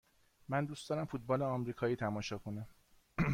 من دوست دارم فوتبال آمریکایی تماشا کنم.